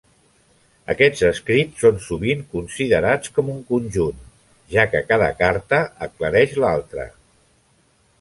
Aquests escrits són sovint considerats com un conjunt, ja que cada carta aclareix l'altra.